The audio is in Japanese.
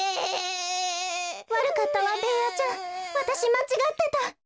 わるかったわベーヤちゃんわたしまちがってた。